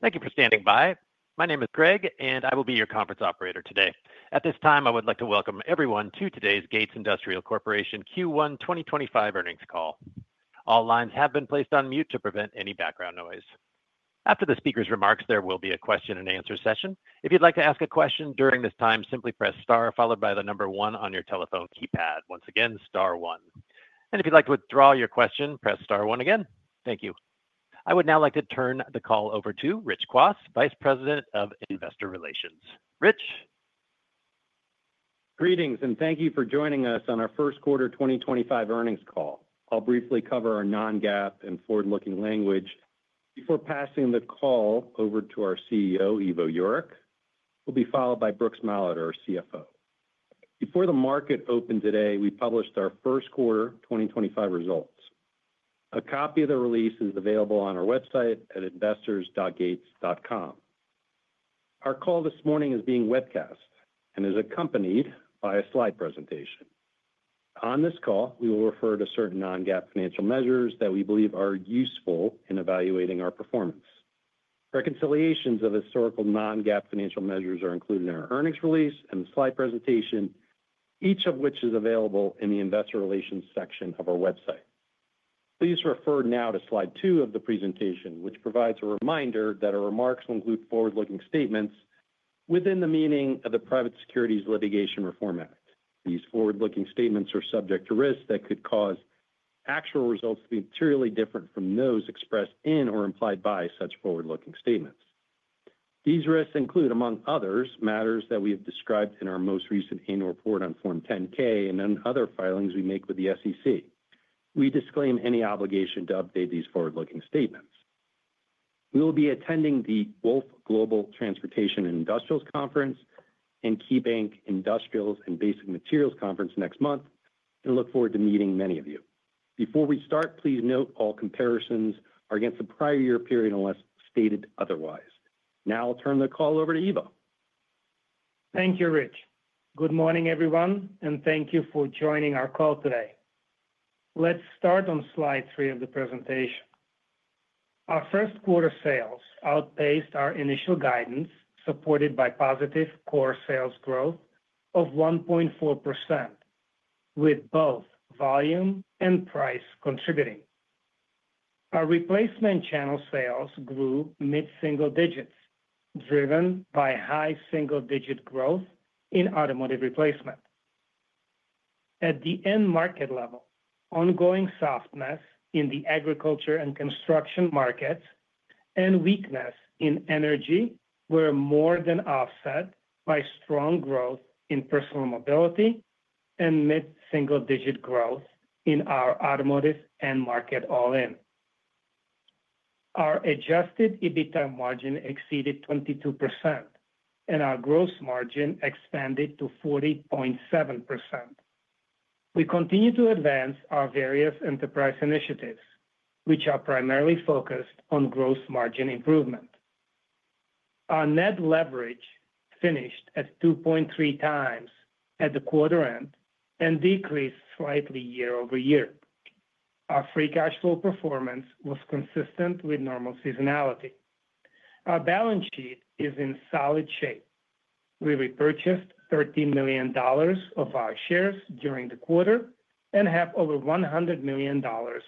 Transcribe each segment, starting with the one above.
Thank you for standing by. My name is Greg, and I will be your conference operator today. At this time, I would like to welcome everyone to today's Gates Industrial Corporation Q1 2025 Earnings Call. All lines have been placed on mute to prevent any background noise. After the speaker's remarks, there will be a question-and-answer session. If you'd like to ask a question during this time, simply press star, followed by the number one on your telephone keypad. Once again, star one. If you'd like to withdraw your question, press star one again. Thank you. I would now like to turn the call over to Rich Kwas, Vice President of Investor Relations. Rich. Greetings, and thank you for joining us on our first quarter 2025 earnings call. I'll briefly cover our non-GAAP and forward-looking language before passing the call over to our CEO, Ivo Jurek. We'll be followed by Brooks Mallard, our CFO. Before the market opened today, we published our first quarter 2025 results. A copy of the release is available on our website at investors.gates.com. Our call this morning is being webcast and is accompanied by a slide presentation. On this call, we will refer to certain non-GAAP financial measures that we believe are useful in evaluating our performance. Reconciliations of historical non-GAAP financial measures are included in our earnings release and slide presentation, each of which is available in the investor relations section of our website. Please refer now to slide two of the presentation, which provides a reminder that our remarks will include forward-looking statements within the meaning of the Private Securities Litigation Reform Act. These forward-looking statements are subject to risks that could cause actual results to be materially different from those expressed in or implied by such forward-looking statements. These risks include, among others, matters that we have described in our most recent annual report on Form 10-K and in other filings we make with the SEC. We disclaim any obligation to update these forward-looking statements. We will be attending the Wolfe Global Transportation and Industrials Conference and KeyBanc Industrials and Basic Materials Conference next month and look forward to meeting many of you. Before we start, please note all comparisons are against the prior year period unless stated otherwise. Now I'll turn the call over to Ivo. Thank you, Rich. Good morning, everyone, and thank you for joining our call today. Let's start on slide three of the presentation. Our first quarter sales outpaced our initial guidance, supported by positive core sales growth of 1.4%, with both volume and price contributing. Our replacement channel sales grew mid-single digits, driven by high single-digit growth in Automotive Replacement. At the end market level, ongoing softness in the agriculture and construction markets and weakness in energy were more than offset by strong growth in Personal Mobility and mid-single digit growth in our automotive end market all in. Our adjusted EBITDA margin exceeded 22%, and our gross margin expanded to 40.7%. We continue to advance our various enterprise initiatives, which are primarily focused on gross margin improvement. Our net leverage finished at 2.3x at the quarter end and decreased slightly year-over-year. Our free cash flow performance was consistent with normal seasonality. Our balance sheet is in solid shape. We repurchased $13 million of our shares during the quarter and have over $100 million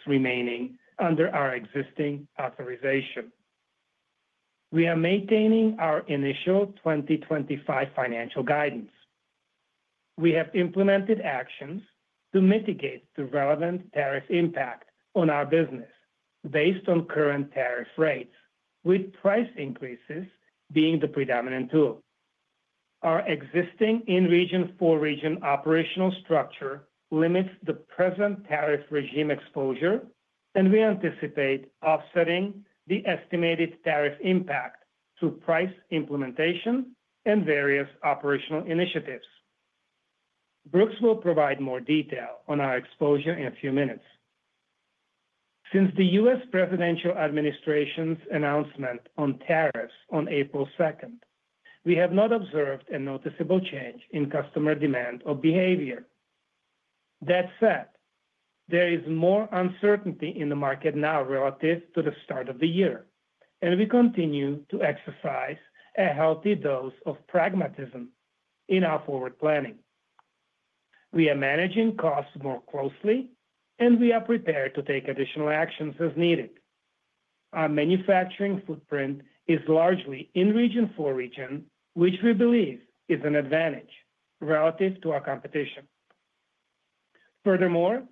remaining under our existing authorization. We are maintaining our initial 2025 financial guidance. We have implemented actions to mitigate the relevant tariff impact on our business based on current tariff rates, with price increases being the predominant tool. Our existing in-region for-region operational structure limits the present tariff regime exposure, and we anticipate offsetting the estimated tariff impact through price implementation and various operational initiatives. Brooks will provide more detail on our exposure in a few minutes. Since the U.S. presidential administration's announcement on tariffs on April 2nd, we have not observed a noticeable change in customer demand or behavior. That said, there is more uncertainty in the market now relative to the start of the year, and we continue to exercise a healthy dose of pragmatism in our forward planning. We are managing costs more closely, and we are prepared to take additional actions as needed. Our manufacturing footprint is largely in-region for-region, which we believe is an advantage relative to our competition. Furthermore,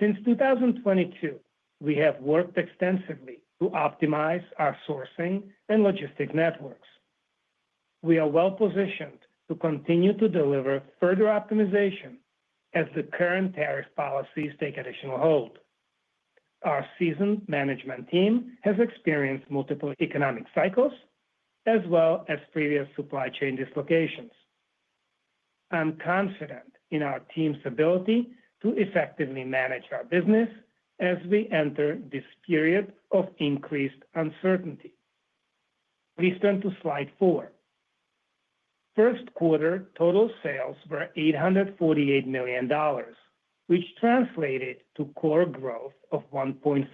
since 2022, we have worked extensively to optimize our sourcing and logistic networks. We are well positioned to continue to deliver further optimization as the current tariff policies take additional hold. Our seasoned management team has experienced multiple economic cycles as well as previous supply chain dislocations. I'm confident in our team's ability to effectively manage our business as we enter this period of increased uncertainty. Please turn to slide four. First quarter total sales were $848 million, which translated to core growth of 1.4%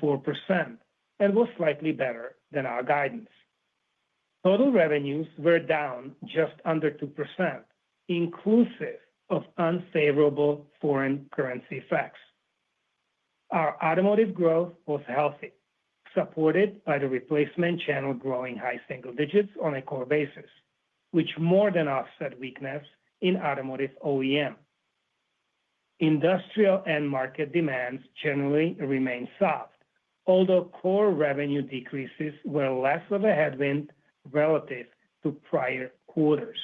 and was slightly better than our guidance. Total revenues were down just under 2%, inclusive of unfavorable foreign currency effects. Our automotive growth was healthy, supported by the replacement channel growing high single digits on a core basis, which more than offset weakness in Automotive OEM. Industrial end market demands generally remain soft, although core revenue decreases were less of a headwind relative to prior quarters.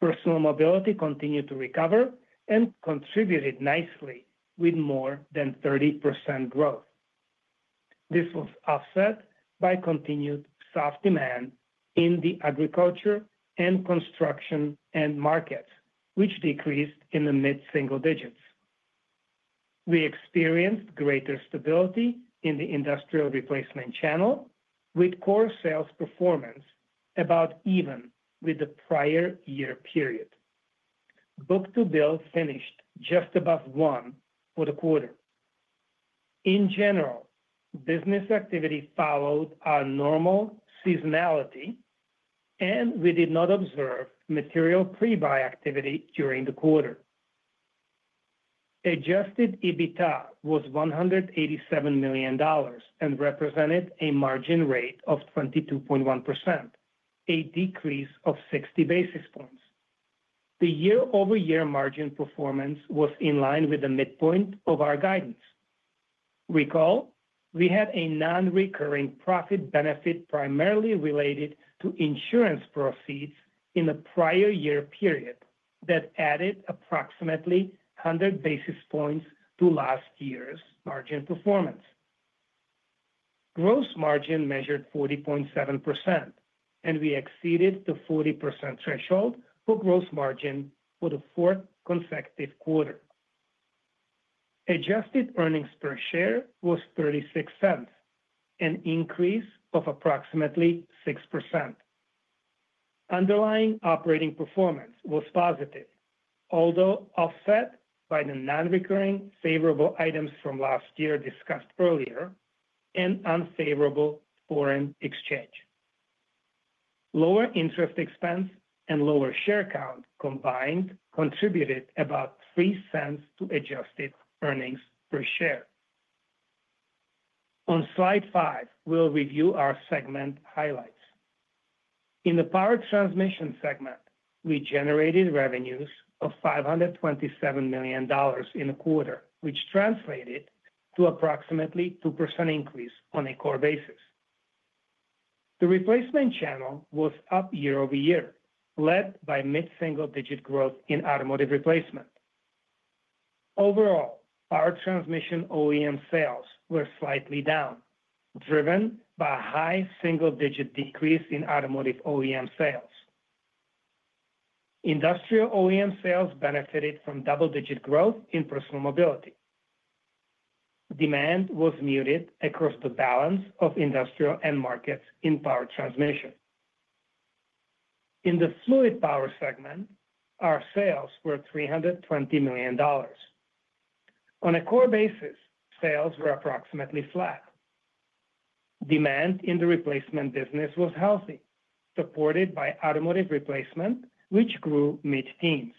Personal Mobility continued to recover and contributed nicely with more than 30% growth. This was offset by continued soft demand in the agriculture and construction end markets, which decreased in the mid-single digits. We experienced greater stability in the Industrial Replacement channel with core sales performance about even with the prior year period. Book-to-bill finished just above one for the quarter. In general, business activity followed our normal seasonality, and we did not observe material pre-buy activity during the quarter. Adjusted EBITDA was $187 million and represented a margin rate of 22.1%, a decrease of 60 basis points. The year-over-year margin performance was in line with the midpoint of our guidance. Recall, we had a non-recurring profit benefit primarily related to insurance proceeds in the prior year period that added approximately 100 basis points to last year's margin performance. Gross margin measured 40.7%, and we exceeded the 40% threshold for gross margin for the fourth consecutive quarter. Adjusted earnings per share was $0.36, an increase of approximately 6%. Underlying operating performance was positive, although offset by the non-recurring favorable items from last year discussed earlier and unfavorable foreign exchange. Lower interest expense and lower share count combined contributed about $0.03 to adjusted earnings per share. On slide five, we'll review our segment highlights. In the Power Transmission segment, we generated revenues of $527 million in the quarter, which translated to approximately 2% increase on a core basis. The replacement channel was up year-over-year, led by mid-single digit growth in Automotive Replacement. Overall, Power Transmission OEM sales were slightly down, driven by a high single-digit decrease in Automotive OEM sales. Industrial OEM sales benefited from double-digit growth in Personal Mobility. Demand was muted across the balance of industrial end markets in Power Transmission. In the Fluid Power segment, our sales were $320 million. On a core basis, sales were approximately flat. Demand in the replacement business was healthy, supported by Automotive Replacement, which grew mid-teens.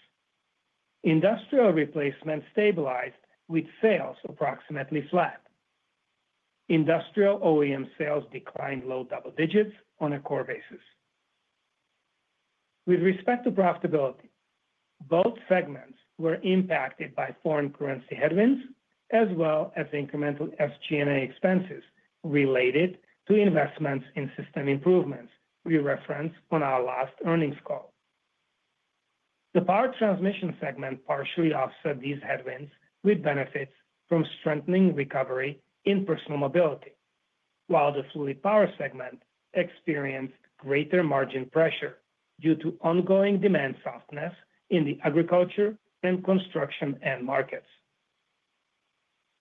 Industrial Replacement stabilized with sales approximately flat. Industrial OEM sales declined low double digits on a core basis. With respect to profitability, both segments were impacted by foreign currency headwinds as well as incremental SG&A expenses related to investments in system improvements we referenced on our last earnings call. The Power Transmission segment partially offset these headwinds with benefits from strengthening recovery in Personal Mobility, while the Fluid Power segment experienced greater margin pressure due to ongoing demand softness in the agriculture and construction end markets.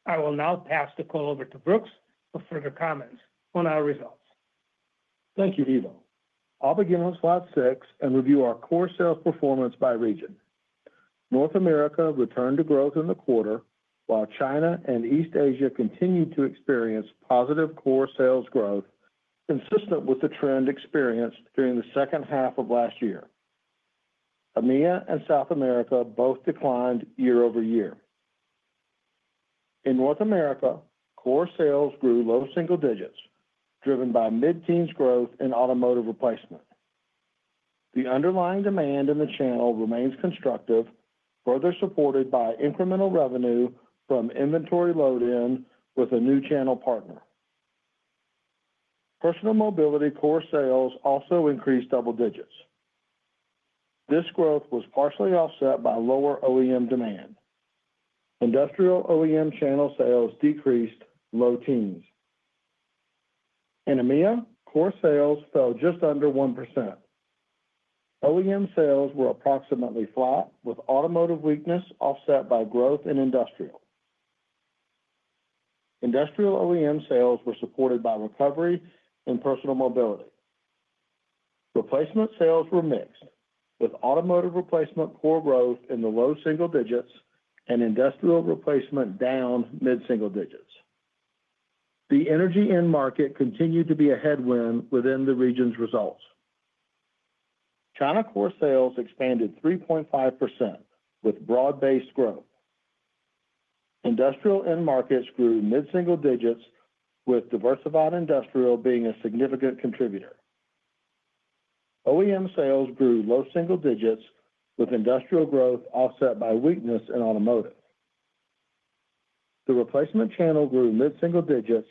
I will now pass the call over to Brooks for further comments on our results. Thank you, Ivo. I'll begin on slide six and review our core sales performance by region. North America returned to growth in the quarter, while China and East Asia continued to experience positive core sales growth consistent with the trend experienced during the second half of last year. EMEA and South America both declined year-over-year. In North America, core sales grew low single digits, driven by mid-teens growth in Automotive Replacement. The underlying demand in the channel remains constructive, further supported by incremental revenue from inventory load-in with a new channel partner. Personal Mobility core sales also increased double digits. This growth was partially offset by lower OEM demand. Industrial OEM channel sales decreased low teens. In EMEA, core sales fell just under 1%. OEM sales were approximately flat, with automotive weakness offset by growth in industrial. Industrial OEM sales were supported by recovery in Personal Mobility. Replacement sales were mixed, with Automotive Replacement core growth in the low single digits and Industrial Replacement down mid-single digits. The energy end market continued to be a headwind within the region's results. China core sales expanded 3.5% with broad-based growth. Industrial end markets grew mid-single digits, with Diversified Industrial being a significant contributor. OEM sales grew low single digits, with industrial growth offset by weakness in automotive. The replacement channel grew mid-single digits,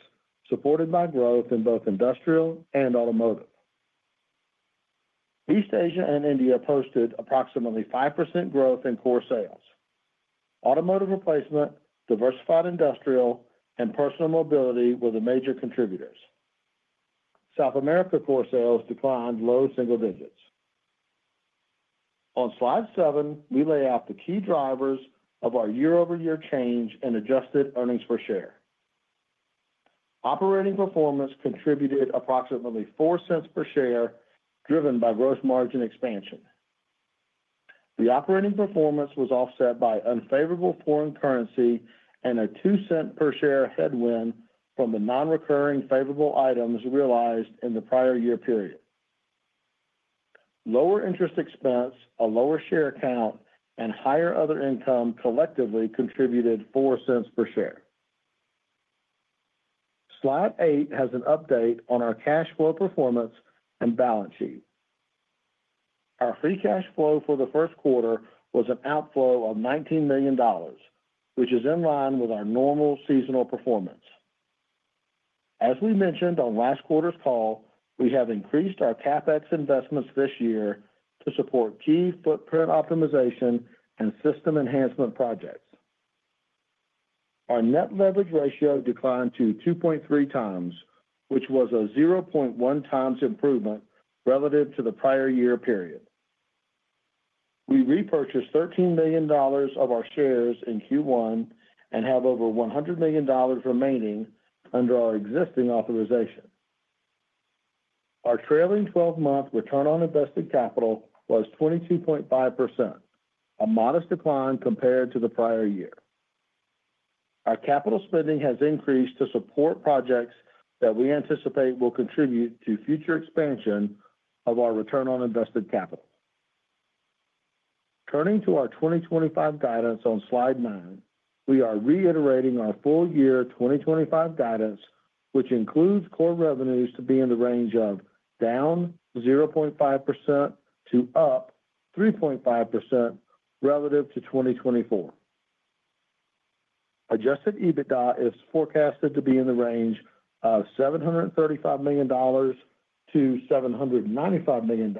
supported by growth in both industrial and automotive. East Asia and India posted approximately 5% growth in core sales. Automotive Replacement, Diversified Industrial, and Personal Mobility were the major contributors. South America core sales declined low single digits. On slide seven, we lay out the key drivers of our year-over-year change and adjusted earnings per share. Operating performance contributed approximately 4 cents per share, driven by gross margin expansion. The operating performance was offset by unfavorable foreign currency and a $0.02 per share headwind from the non-recurring favorable items realized in the prior year period. Lower interest expense, a lower share count, and higher other income collectively contributed $0.04 per share. Slide eight has an update on our cash flow performance and balance sheet. Our free cash flow for the first quarter was an outflow of $19 million, which is in line with our normal seasonal performance. As we mentioned on last quarter's call, we have increased our CapEx investments this year to support key footprint optimization and system enhancement projects. Our net leverage ratio declined to 2.3 times, which was a 0.1 times improvement relative to the prior year period. We repurchased $13 million of our shares in Q1 and have over $100 million remaining under our existing authorization. Our trailing 12-month return on invested capital was 22.5%, a modest decline compared to the prior year. Our capital spending has increased to support projects that we anticipate will contribute to future expansion of our return on invested capital. Turning to our 2025 guidance on slide nine, we are reiterating our full year 2025 guidance, which includes core revenues to be in the range of down 0.5% to up 3.5% relative to 2024. Adjusted EBITDA is forecasted to be in the range of $735 million-$795 million,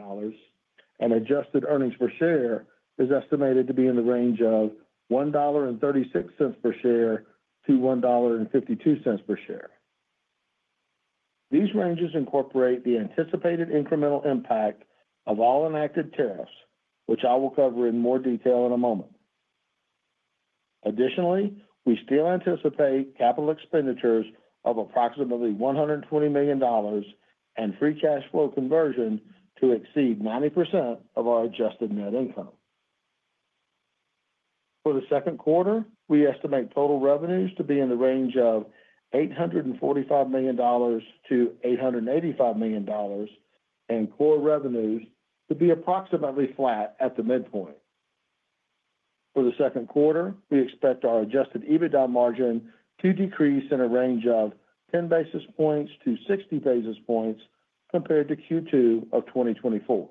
and adjusted earnings per share is estimated to be in the range of $1.36-$1.52 per share. These ranges incorporate the anticipated incremental impact of all enacted tariffs, which I will cover in more detail in a moment. Additionally, we still anticipate capital expenditures of approximately $120 million and free cash flow conversion to exceed 90% of our adjusted net income. For the second quarter, we estimate total revenues to be in the range of $845 million-$885 million and core revenues to be approximately flat at the midpoint. For the second quarter, we expect our adjusted EBITDA margin to decrease in a range of 10 basis points-60 basis points compared to Q2 of 2024.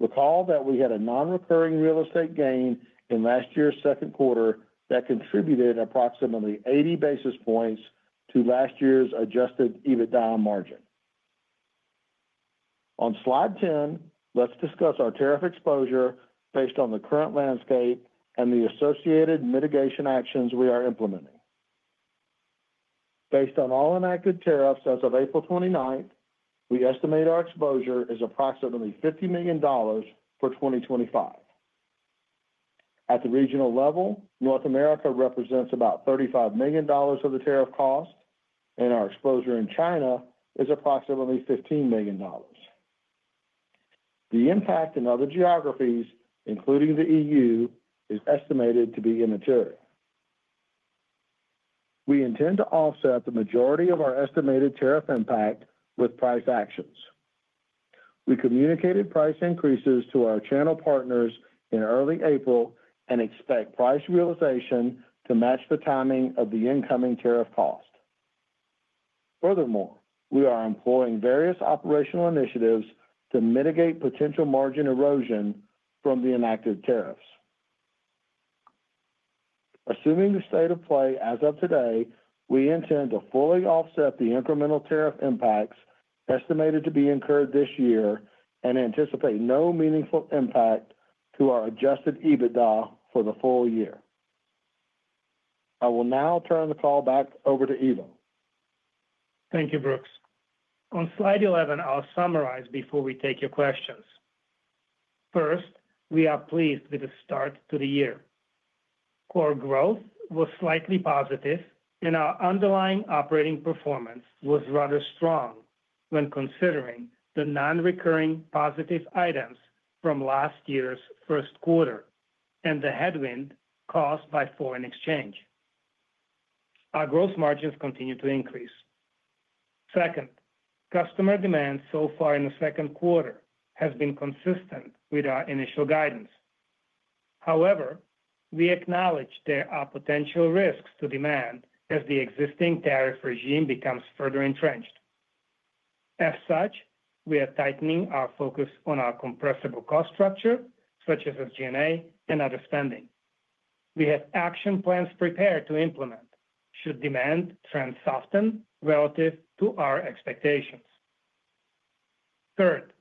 Recall that we had a non-recurring real estate gain in last year's second quarter that contributed approximately 80 basis points to last year's adjusted EBITDA margin. On slide 10, let's discuss our tariff exposure based on the current landscape and the associated mitigation actions we are implementing. Based on all enacted tariffs as of April 29th, we estimate our exposure is approximately $50 million for 2025. At the regional level, North America represents about $35 million of the tariff cost, and our exposure in China is approximately $15 million. The impact in other geographies, including the EU, is estimated to be immaterial. We intend to offset the majority of our estimated tariff impact with price actions. We communicated price increases to our channel partners in early April and expect price realization to match the timing of the incoming tariff cost. Furthermore, we are employing various operational initiatives to mitigate potential margin erosion from the enacted tariffs. Assuming the state of play as of today, we intend to fully offset the incremental tariff impacts estimated to be incurred this year and anticipate no meaningful impact to our adjusted EBITDA for the full year. I will now turn the call back over to Ivo. Thank you, Brooks. On slide 11, I'll summarize before we take your questions. First, we are pleased with the start to the year. Core growth was slightly positive, and our underlying operating performance was rather strong when considering the non-recurring positive items from last year's first quarter and the headwind caused by foreign exchange. Our gross margins continue to increase. Second, customer demand so far in the second quarter has been consistent with our initial guidance. However, we acknowledge there are potential risks to demand as the existing tariff regime becomes further entrenched. As such, we are tightening our focus on our compressible cost structure, such as SG&A and other spending. We have action plans prepared to implement should demand trends soften relative to our expectations. Third,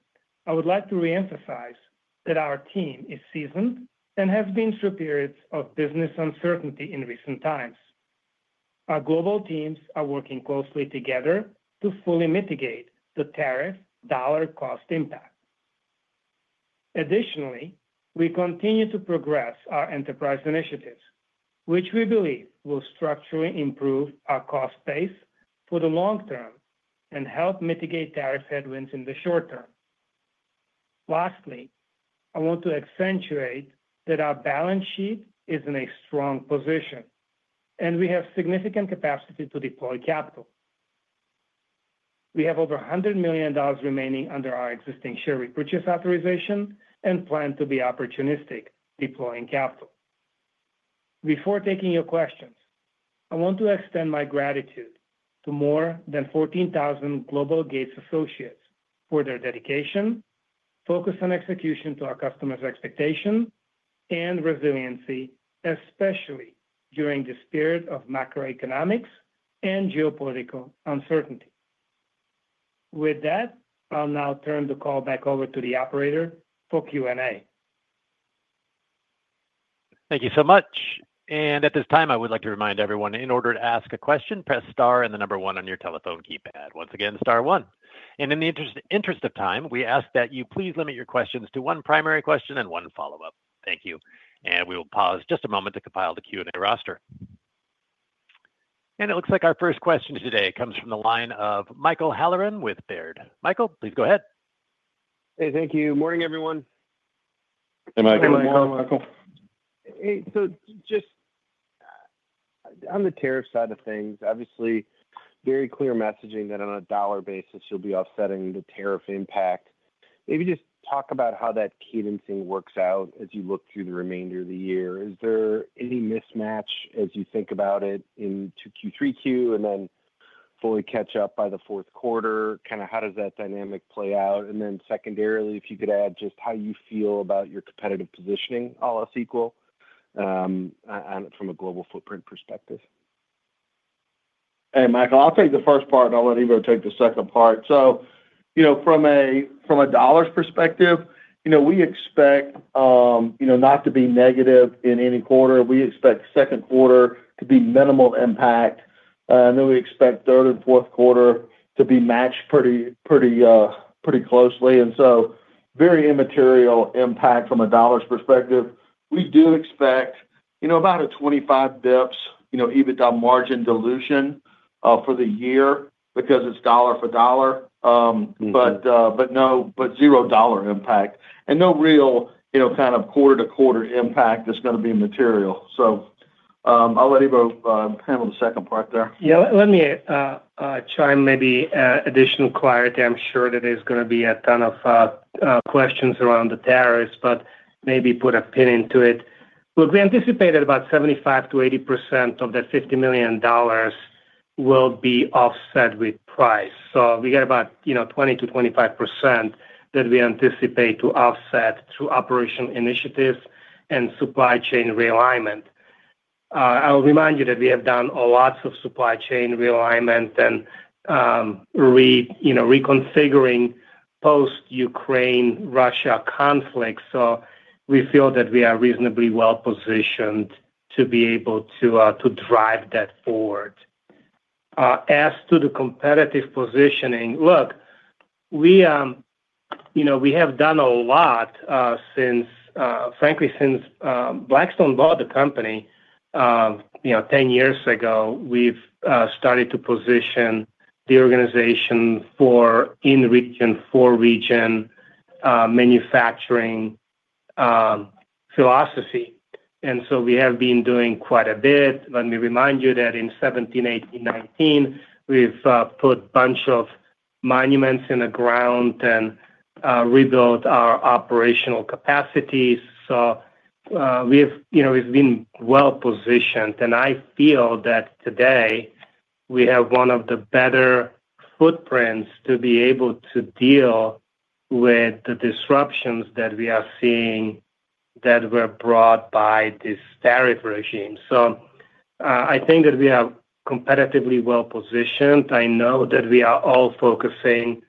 I would like to reemphasize that our team is seasoned and has been through periods of business uncertainty in recent times. Our global teams are working closely together to fully mitigate the tariff dollar cost impact. Additionally, we continue to progress our enterprise initiatives, which we believe will structurally improve our cost base for the long term and help mitigate tariff headwinds in the short term. Lastly, I want to accentuate that our balance sheet is in a strong position, and we have significant capacity to deploy capital. We have over $100 million remaining under our existing share repurchase authorization and plan to be opportunistic deploying capital. Before taking your questions, I want to extend my gratitude to more than 14,000 global Gates associates for their dedication, focus on execution to our customers' expectation, and resiliency, especially during the spirit of macroeconomics and geopolitical uncertainty. With that, I'll now turn the call back over to the operator for Q&A. Thank you so much. At this time, I would like to remind everyone, in order to ask a question, press star and the number one on your telephone keypad. Once again, star one. In the interest of time, we ask that you please limit your questions to one primary question and one follow-up. Thank you. We will pause just a moment to compile the Q&A roster. It looks like our first question today comes from the line of Michael Halloran with Baird. Michael, please go ahead. Hey, thank you. Morning, everyone. Hey, Michael. Hey, Michael. Hey, Michael. Hey. Just on the tariff side of things, obviously, very clear messaging that on a dollar basis, you'll be offsetting the tariff impact. Maybe just talk about how that cadencing works out as you look through the remainder of the year. Is there any mismatch as you think about it into Q3 and then fully catch up by the fourth quarter? Kind of how does that dynamic play out? Secondarily, if you could add just how you feel about your competitive positioning all else equal from a global footprint perspective. Hey, Michael, I'll take the first part. I'll let Ivo take the second part. From a dollars perspective, we expect not to be negative in any quarter. We expect second quarter to be minimal impact. We expect third and fourth quarter to be matched pretty closely. Very immaterial impact from a dollars perspective. We do expect about a 25 basis point EBITDA margin dilution for the year because it is dollar for dollar, but no, zero dollar impact. No real kind of quarter-to-quarter impact that is going to be material. I'll let Ivo handle the second part there. Yeah. Let me chime in, maybe additional clarity. I'm sure that there's going to be a ton of questions around the tariffs, but maybe put a pin into it. Look, we anticipated about 75%-80% of the $50 million will be offset with price. So we got about 20%-25% that we anticipate to offset through operational initiatives and supply chain realignment. I'll remind you that we have done lots of supply chain realignment and reconfiguring post-Ukraine-Russia conflict. We feel that we are reasonably well positioned to be able to drive that forward. As to the competitive positioning, look, we have done a lot since, frankly, since Blackstone bought the company 10 years ago, we've started to position the organization for in-region, for-region manufacturing philosophy. We have been doing quite a bit. Let me remind you that in 2017, 2018, 2019, we've put a bunch of monuments in the ground and rebuilt our operational capacities. We have been well positioned. I feel that today we have one of the better footprints to be able to deal with the disruptions that we are seeing that were brought by this tariff regime. I think that we are competitively well positioned. I know that we are all focusing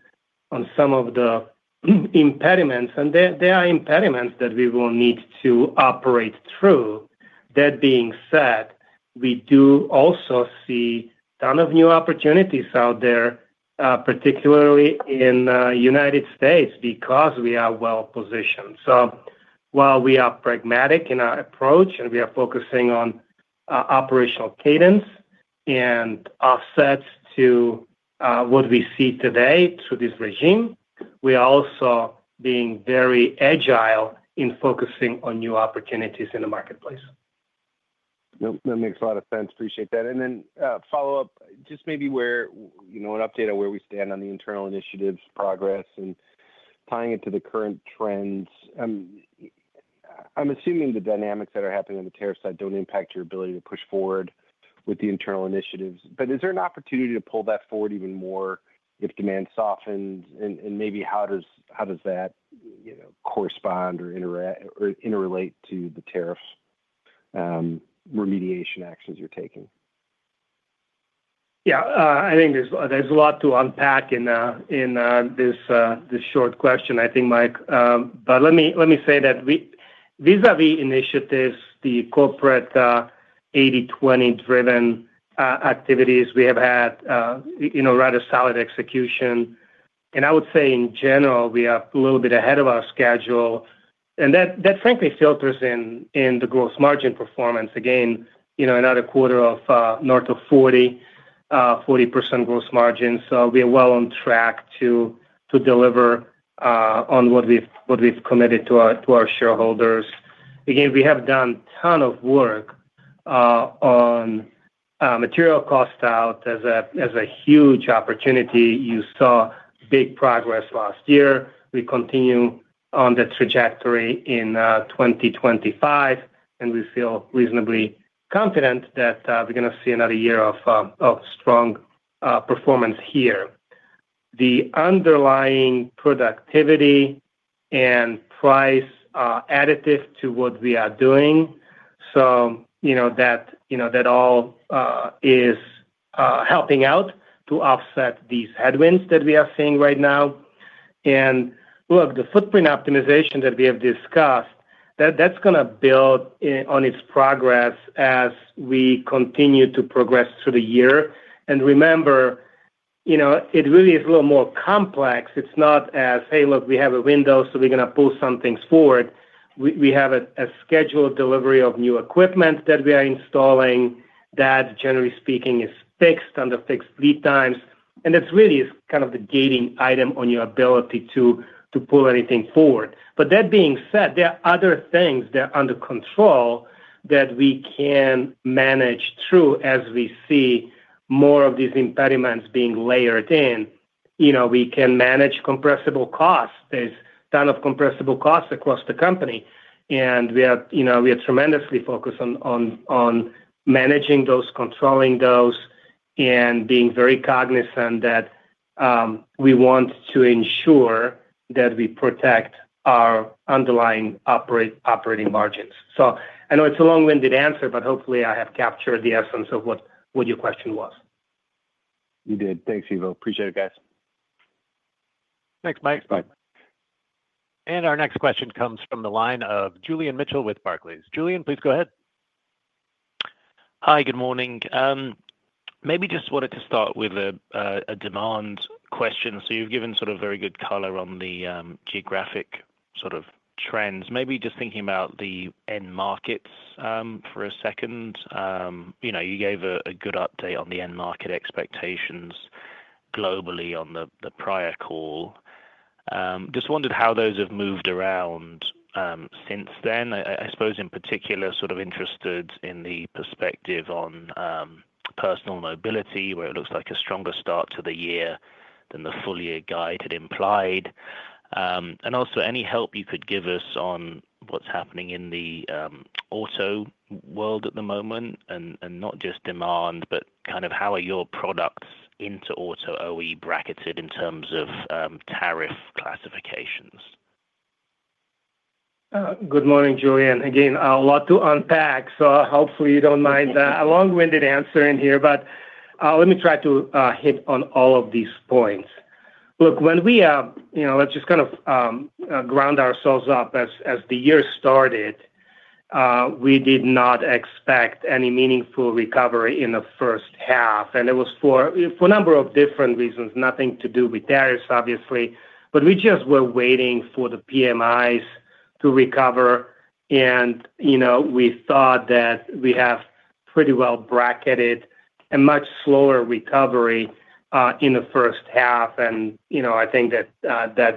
on some of the impediments, and there are impediments that we will need to operate through. That being said, we do also see a ton of new opportunities out there, particularly in the United States because we are well positioned. While we are pragmatic in our approach and we are focusing on operational cadence and offsets to what we see today through this regime, we are also being very agile in focusing on new opportunities in the marketplace. Yep. That makes a lot of sense. Appreciate that. Just maybe an update on where we stand on the internal initiatives, progress, and tying it to the current trends. I'm assuming the dynamics that are happening on the tariff side don't impact your ability to push forward with the internal initiatives. Is there an opportunity to pull that forward even more if demand softens? Maybe how does that correspond or interrelate to the tariff remediation actions you're taking? Yeah. I think there's a lot to unpack in this short question, I think, Mike. Let me say that vis-à-vis initiatives, the corporate 80/20-driven activities, we have had rather solid execution. I would say, in general, we are a little bit ahead of our schedule. That, frankly, filters in the gross margin performance. Again, another quarter of north of 40, 40% gross margin. We are well on track to deliver on what we've committed to our shareholders. We have done a ton of work on material cost out as a huge opportunity. You saw big progress last year. We continue on the trajectory in 2025, and we feel reasonably confident that we're going to see another year of strong performance here. The underlying productivity and price additive to what we are doing, so that all is helping out to offset these headwinds that we are seeing right now. Look, the footprint optimization that we have discussed, that's going to build on its progress as we continue to progress through the year. Remember, it really is a little more complex. It's not as, "Hey, look, we have a window, so we're going to pull some things forward." We have a scheduled delivery of new equipment that we are installing that, generally speaking, is fixed under fixed lead times. That's really kind of the gating item on your ability to pull anything forward. That being said, there are other things that are under control that we can manage through as we see more of these impediments being layered in. We can manage compressible costs. There is a ton of compressible costs across the company. We are tremendously focused on managing those, controlling those, and being very cognizant that we want to ensure that we protect our underlying operating margins. I know it is a long-winded answer, but hopefully, I have captured the essence of what your question was. You did. Thanks, Ivo. Appreciate it, guys. Thanks, Mike. Thanks, Mike. Our next question comes from the line of Julian Mitchell with Barclays. Julian, please go ahead. Hi, good morning. Maybe just wanted to start with a demand question. You have given sort of very good color on the geographic sort of trends. Maybe just thinking about the end markets for a second. You gave a good update on the end market expectations globally on the prior call. Just wondered how those have moved around since then. I suppose, in particular, sort of interested in the perspective on Personal Mobility, where it looks like a stronger start to the year than the full-year guide had implied. Also, any help you could give us on what is happening in the auto world at the moment? Not just demand, but kind of how are your products into auto, OE bracketed in terms of tariff classifications? Good morning, Julian. Again, a lot to unpack. Hopefully, you do not mind a long-winded answer in here, but let me try to hit on all of these points. Look, when we are, let's just kind of ground ourselves up. As the year started, we did not expect any meaningful recovery in the first half. It was for a number of different reasons, nothing to do with tariffs, obviously. We just were waiting for the PMIs to recover. We thought that we have pretty well bracketed a much slower recovery in the first half. I think that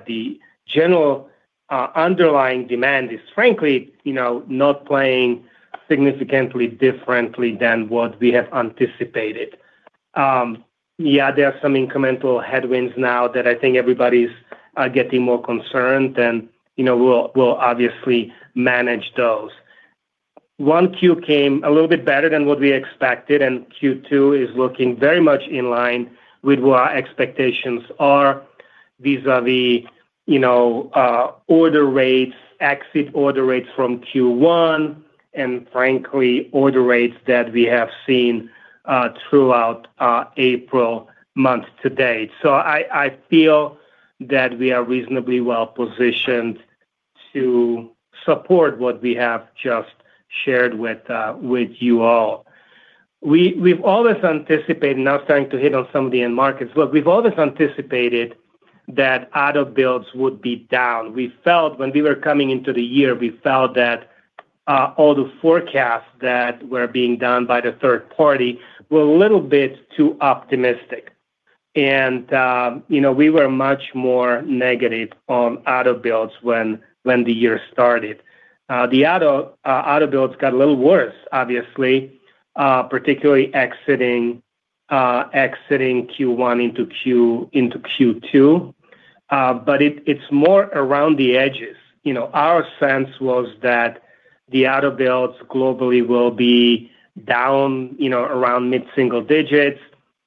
the general underlying demand is, frankly, not playing significantly differently than what we have anticipated. Yeah, there are some incremental headwinds now that I think everybody is getting more concerned and will obviously manage those. Q1 came a little bit better than what we expected. Q2 is looking very much in line with what our expectations are vis-à-vis order rates, exit order rates from Q1, and frankly, order rates that we have seen throughout April month to date. I feel that we are reasonably well positioned to support what we have just shared with you all. We've always anticipated now starting to hit on some of the end markets. Look, we've always anticipated that auto builds would be down. We felt, when we were coming into the year, that all the forecasts that were being done by the third party were a little bit too optimistic. We were much more negative on auto builds when the year started. The auto builds got a little worse, obviously, particularly exiting Q1 into Q2. It is more around the edges. Our sense was that the auto builds globally will be down around mid-single digits.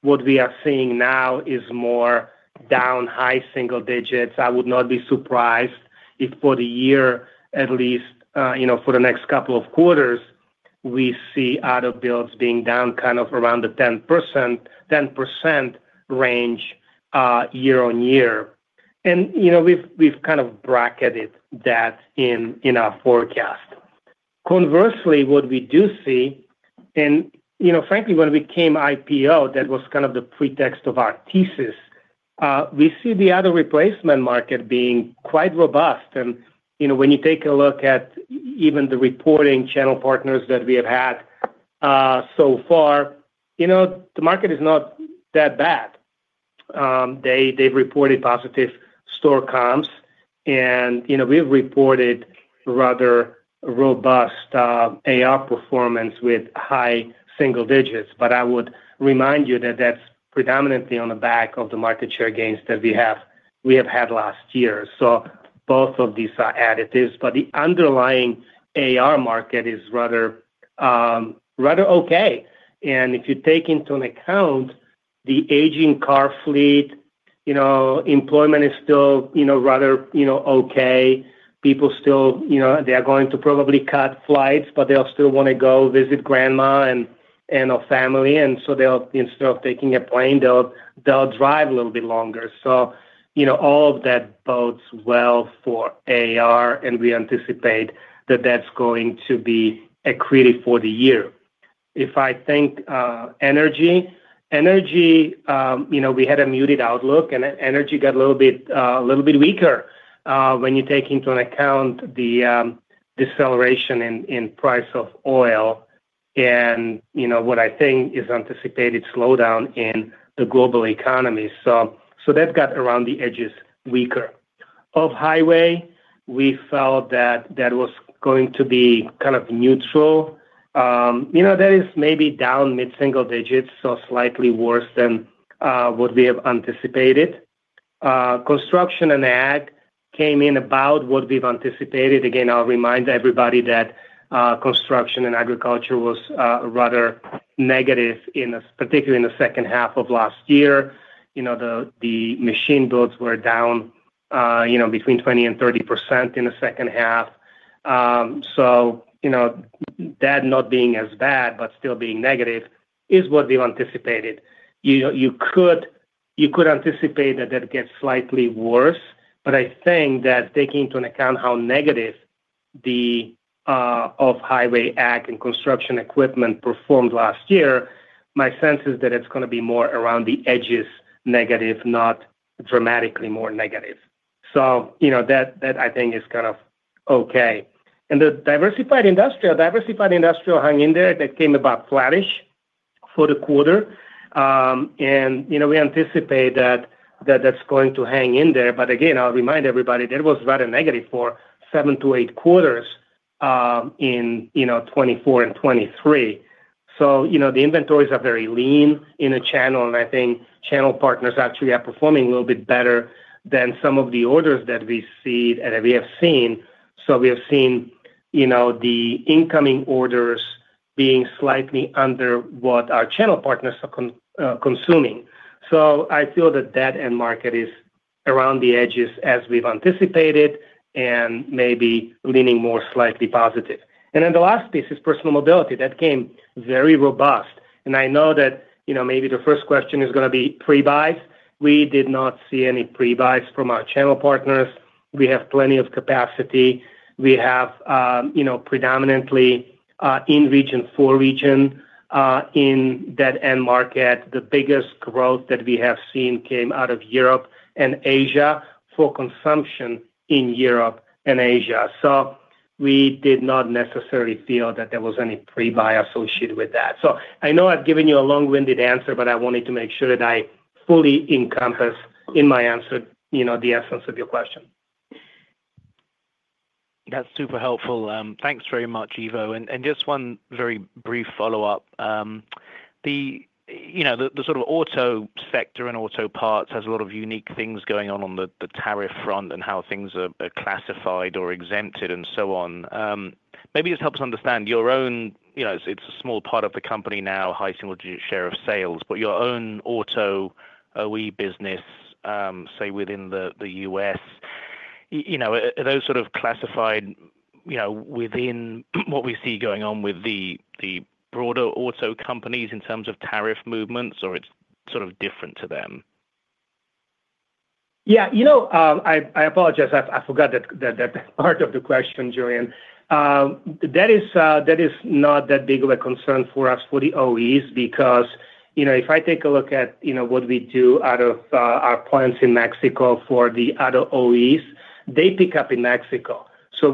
What we are seeing now is more down high single digits. I would not be surprised if for the year, at least for the next couple of quarters, we see auto builds being down kind of around the 10% range year on year. We have kind of bracketed that in our forecast. Conversely, what we do see, and frankly, when we came IPO, that was kind of the pretext of our thesis, we see the auto replacement market being quite robust. When you take a look at even the reporting channel partners that we have had so far, the market is not that bad. They have reported positive store comps. We have reported rather robust AR performance with high single digits. I would remind you that that's predominantly on the back of the market share gains that we have had last year. Both of these are additives. The underlying AR market is rather okay. If you take into account the aging car fleet, employment is still rather okay. People still, they are going to probably cut flights, but they'll still want to go visit grandma and family. Instead of taking a plane, they'll drive a little bit longer. All of that bodes well for AR. We anticipate that that's going to be a accretive for the year. If I think energy, we had a muted outlook. Energy got a little bit weaker when you take into account the deceleration in price of oil and what I think is anticipated slowdown in the global economy. That got around the edges weaker. Off-highway, we felt that that was going to be kind of neutral. That is maybe down mid-single digits, so slightly worse than what we have anticipated. Construction and ag came in about what we've anticipated. Again, I'll remind everybody that construction and agriculture was rather negative, particularly in the second half of last year. The machine builds were down between 20%-30% in the second half. That not being as bad, but still being negative, is what we've anticipated. You could anticipate that that gets slightly worse. I think that taking into account how negative the off-highway ag and construction equipment performed last year, my sense is that it's going to be more around the edges negative, not dramatically more negative. That, I think, is kind of okay. The Diversified Industrial, Diversified Industrial hung in there. That came about flattish for the quarter. We anticipate that that's going to hang in there. I'll remind everybody that it was rather negative for seven to eight quarters in 2024 and 2023. The inventories are very lean in a channel. I think channel partners actually are performing a little bit better than some of the orders that we see and that we have seen. We have seen the incoming orders being slightly under what our channel partners are consuming. I feel that that end market is around the edges as we've anticipated and maybe leaning more slightly positive. The last piece is Personal Mobility. That came very robust. I know that maybe the first question is going to be pre-buys. We did not see any pre-buys from our channel partners. We have plenty of capacity. We have predominantly in region, for region in that end market. The biggest growth that we have seen came out of Europe and Asia for consumption in Europe and Asia. We did not necessarily feel that there was any pre-buy associated with that. I know I've given you a long-winded answer, but I wanted to make sure that I fully encompass in my answer the essence of your question. That's super helpful. Thanks very much, Ivo. Just one very brief follow-up. The sort of auto sector and auto parts has a lot of unique things going on on the tariff front and how things are classified or exempted and so on. Maybe just helps understand your own, it's a small part of the company now, high single-digit share of sales. Your own auto OE business, say, within the U.S., are those sort of classified within what we see going on with the broader auto companies in terms of tariff movements, or is it sort of different to them? Yeah. I apologize. I forgot that part of the question, Julian. That is not that big of a concern for us for the OEs because if I take a look at what we do out of our plants in Mexico for the auto OEs, they pick up in Mexico.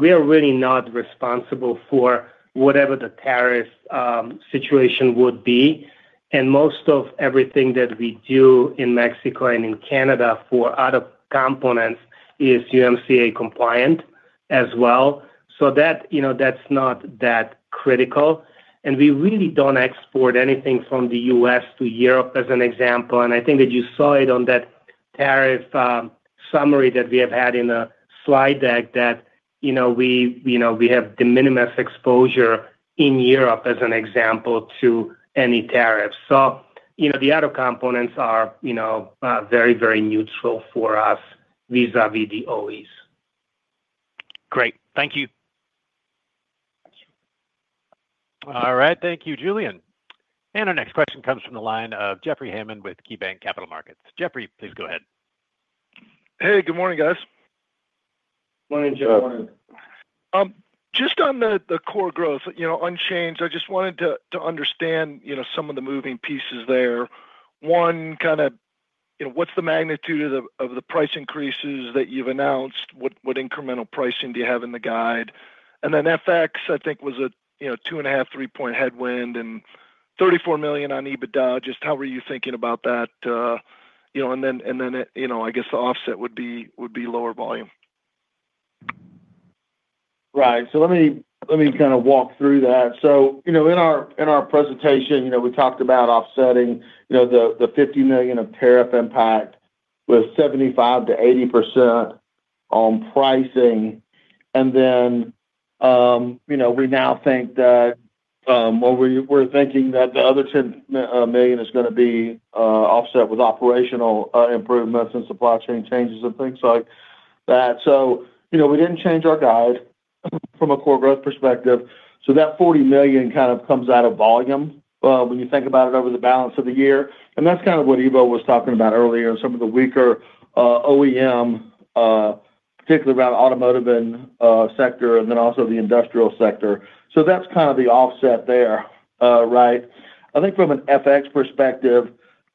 We are really not responsible for whatever the tariff situation would be. Most of everything that we do in Mexico and in Canada for auto components is USMCA compliant as well. That is not that critical. We really do not export anything from the U.S. to Europe, as an example. I think that you saw it on that tariff summary that we have had in the slide deck that we have de minimis exposure in Europe, as an example, to any tariff. The auto components are very, very neutral for us vis-à-vis the OEs. Great. Thank you. All right. Thank you, Julian. Our next question comes from the line of Jeffrey Hammond with KeyBanc Capital Markets. Jeffrey, please go ahead. Hey, good morning, guys. Morning, Jeff. Just on the core growth, unchanged. I just wanted to understand some of the moving pieces there. One, kind of what's the magnitude of the price increases that you've announced? What incremental pricing do you have in the guide? FX, I think, was a two and a half, three-point headwind and $34 million on EBITDA. Just how were you thinking about that? I guess the offset would be lower volume. Right. Let me kind of walk through that. In our presentation, we talked about offsetting the $50 million of tariff impact with 75%-80% on pricing. We now think that, well, we're thinking that the other $10 million is going to be offset with operational improvements and supply chain changes and things like that. We did not change our guide from a core growth perspective. That $40 million kind of comes out of volume when you think about it over the balance of the year. That is what Ivo was talking about earlier in some of the weaker OEM, particularly around the automotive sector and then also the industrial sector. That is the offset there, right? I think from an FX perspective,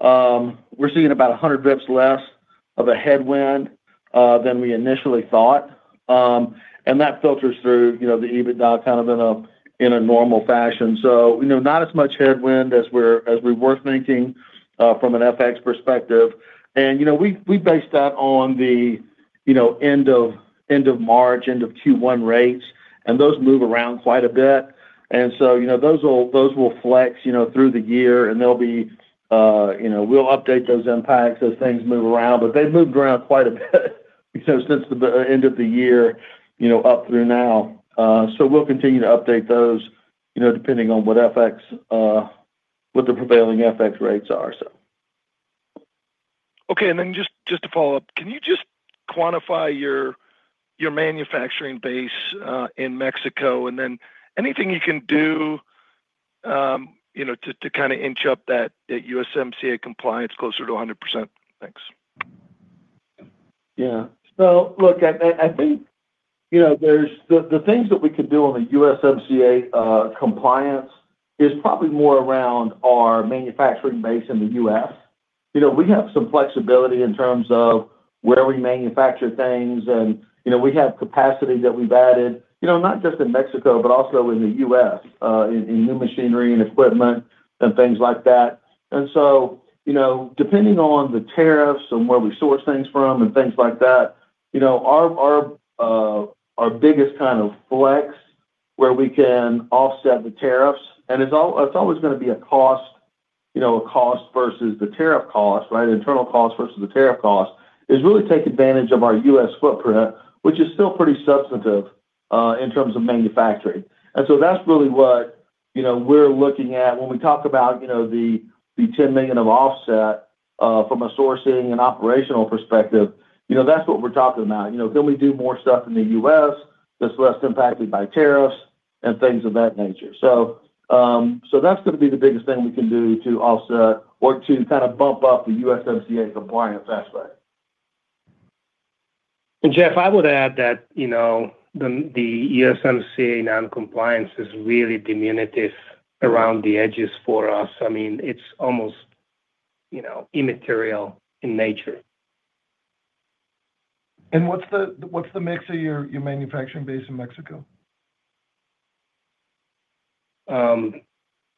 we are seeing about 100 basis points less of a headwind than we initially thought. That filters through the EBITDA kind of in a normal fashion. Not as much headwind as we were thinking from an FX perspective. We based that on the end of March, end of Q1 rates. Those move around quite a bit, and those will flex through the year. We will update those impacts as things move around. They have moved around quite a bit since the end of the year up through now. We will continue to update those depending on what the prevailing FX rates are. Okay. Just to follow up, can you just quantify your manufacturing base in Mexico? Anything you can do to kind of inch up that USMCA compliance closer to 100%? Thanks. Yeah. Look, I think the things that we could do on the USMCA compliance is probably more around our manufacturing base in the U.S. We have some flexibility in terms of where we manufacture things. We have capacity that we've added, not just in Mexico, but also in the U.S., in new machinery and equipment and things like that. Depending on the tariffs and where we source things from and things like that, our biggest kind of flex where we can offset the tariffs, it's always going to be a cost versus the tariff cost, right? Internal cost versus the tariff cost is really take advantage of our U.S. footprint, which is still pretty substantive in terms of manufacturing. That's really what we're looking at when we talk about the $10 million of offset from a sourcing and operational perspective. That's what we're talking about. Can we do more stuff in the U.S. that's less impacted by tariffs and things of that nature? That's going to be the biggest thing we can do to offset or to kind of bump up the USMCA compliance aspect. Jeff, I would add that the USMCA non-compliance is really diminutive around the edges for us. I mean, it's almost immaterial in nature. What is the mix of your manufacturing base in Mexico?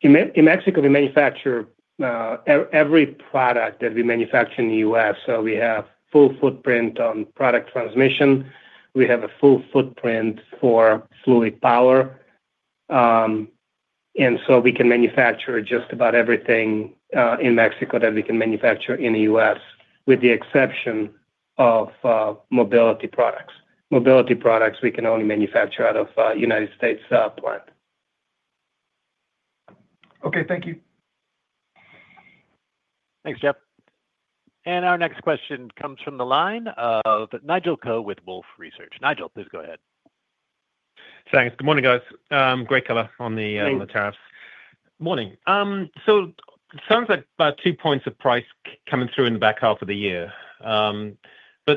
In Mexico, we manufacture every product that we manufacture in the U.S. We have full footprint on Power Transmission. We have a full footprint for Fluid Power. We can manufacture just about everything in Mexico that we can manufacture in the U.S., with the exception of mobility products. Mobility products, we can only manufacture out of United States plant. Okay. Thank you. Thanks, Jeff. Our next question comes from the line of Nigel Coe with Wolfe Research. Nigel, please go ahead. Thanks. Good morning, guys. Great color on the tariffs. Morning. It sounds like about two points of price coming through in the back half of the year.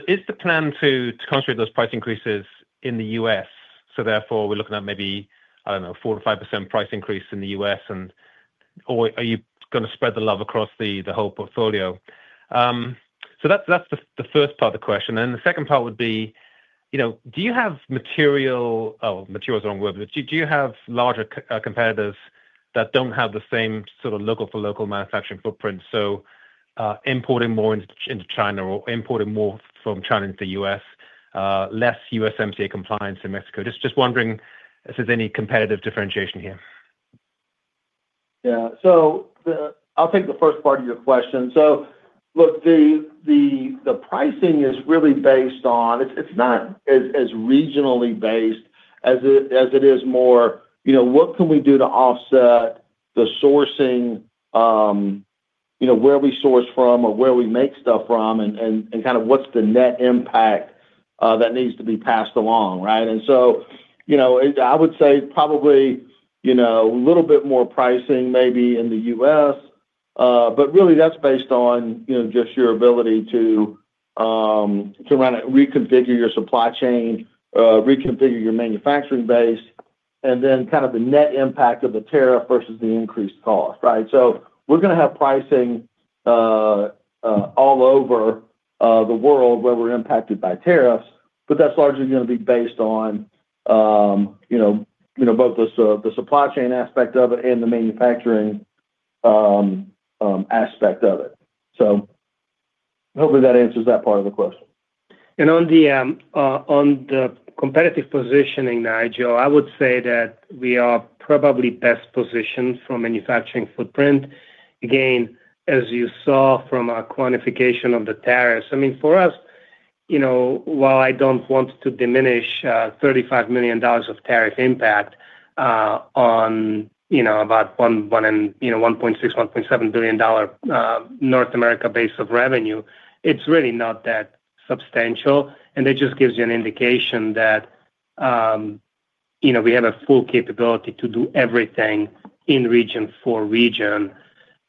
Is the plan to concentrate those price increases in the U.S.? Therefore, we're looking at maybe, I don't know, 4%-5% price increase in the U.S. Are you going to spread the love across the whole portfolio? That is the first part of the question. The second part would be, do you have material—material is the wrong word—but do you have larger competitors that do not have the same sort of local-for-local manufacturing footprint? Importing more into China or importing more from China into the U.S., less USMCA compliance in Mexico? Just wondering if there is any competitive differentiation here. Yeah. I'll take the first part of your question. Look, the pricing is really based on—it is not as regionally based as it is more what can we do to offset the sourcing, where we source from or where we make stuff from, and kind of what is the net impact that needs to be passed along, right? I would say probably a little bit more pricing maybe in the U.S. Really, that is based on just your ability to reconfigure your supply chain, reconfigure your manufacturing base, and then kind of the net impact of the tariff versus the increased cost, right? We are going to have pricing all over the world where we are impacted by tariffs. That is largely going to be based on both the supply chain aspect of it and the manufacturing aspect of it. Hopefully, that answers that part of the question. On the competitive positioning, Nigel, I would say that we are probably best positioned for manufacturing footprint. Again, as you saw from our quantification of the tariffs, I mean, for us, while I do not want to diminish $35 million of tariff impact on about $1.6-$1.7 billion North America base of revenue, it is really not that substantial. That just gives you an indication that we have a full capability to do everything in region for region.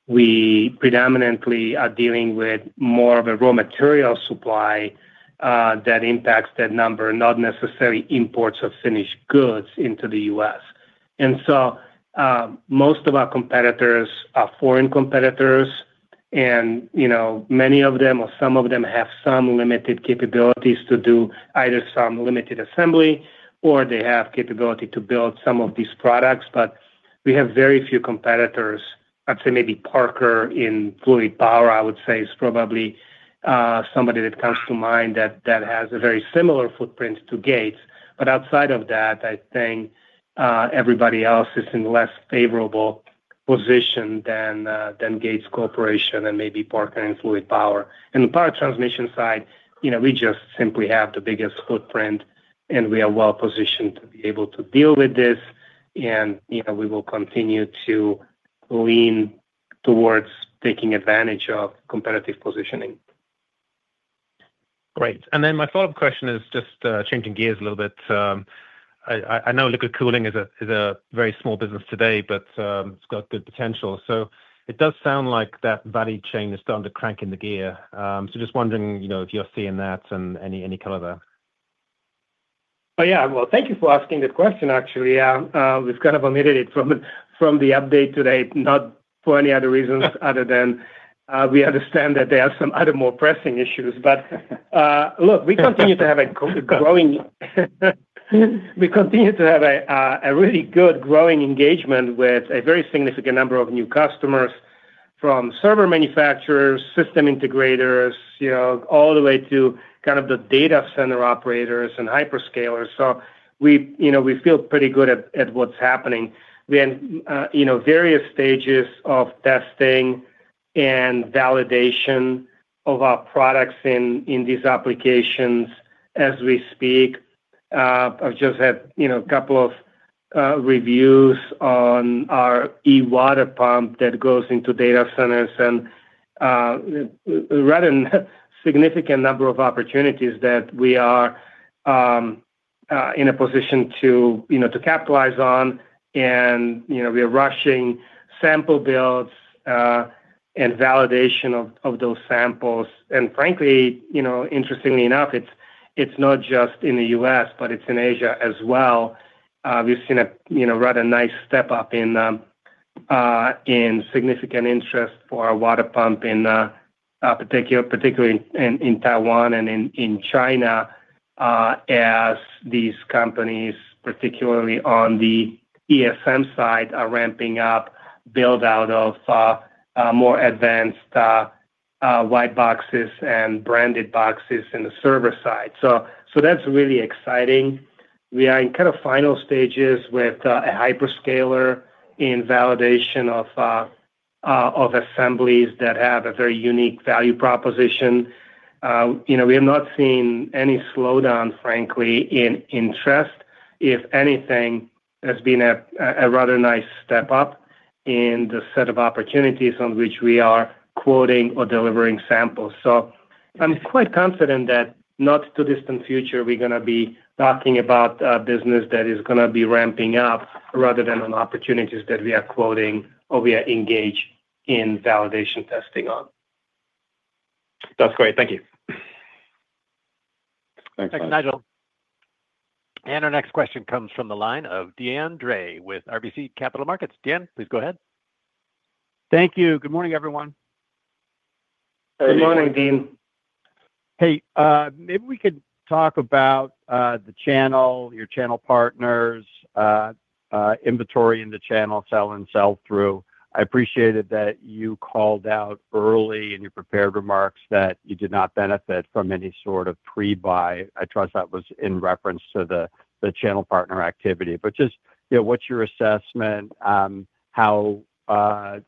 We predominantly are dealing with more of a raw material supply that impacts that number, not necessarily imports of finished goods into the U.S. Most of our competitors are foreign competitors. Many of them or some of them have some limited capabilities to do either some limited assembly or they have capability to build some of these products. We have very few competitors. I'd say maybe Parker in Fluid Power, I would say, is probably somebody that comes to mind that has a very similar footprint to Gates. Outside of that, I think everybody else is in a less favorable position than Gates Industrial Corporation and maybe Parker in Fluid Power. On the power transmission side, we just simply have the biggest footprint, and we are well positioned to be able to deal with this. We will continue to lean towards taking advantage of competitive positioning. Great. My follow-up question is just changing gears a little bit. I know liquid cooling is a very small business today, but it's got good potential. It does sound like that value chain is starting to crank in the gear. Just wondering if you're seeing that and any color there. Oh, yeah. Thank you for asking that question, actually. We have kind of omitted it from the update today, not for any other reasons other than we understand that there are some other more pressing issues. Look, we continue to have a really good growing engagement with a very significant number of new customers from server manufacturers, system integrators, all the way to the data center operators and hyperscalers. We feel pretty good at what's happening. We are in various stages of testing and validation of our products in these applications as we speak. I have just had a couple of reviews on our e-water pump that goes into data centers and are running a significant number of opportunities that we are in a position to capitalize on. We are rushing sample builds and validation of those samples. Frankly, interestingly enough, it's not just in the U.S., but it's in Asia as well. We've seen a rather nice step up in significant interest for our water pump, particularly in Taiwan and in China, as these companies, particularly on the ESM side, are ramping up build-out of more advanced white boxes and branded boxes in the server side. That is really exciting. We are in kind of final stages with a hyperscaler in validation of assemblies that have a very unique value proposition. We have not seen any slowdown, frankly, in interest. If anything, there's been a rather nice step up in the set of opportunities on which we are quoting or delivering samples. I'm quite confident that in the not too distant future, we're going to be talking about a business that is going to be ramping up rather than on opportunities that we are quoting or we are engaged in validation testing on. That's great. Thank you. Thanks, Nigel. Our next question comes from the line of Deane Dray with RBC Capital Markets. Deane, please go ahead. Thank you. Good morning, everyone. Good morning, Deane. Hey. Maybe we could talk about the channel, your channel partners, inventory in the channel, sell-in, sell-through. I appreciated that you called out early in your prepared remarks that you did not benefit from any sort of pre-buy. I trust that was in reference to the channel partner activity. Just what's your assessment, how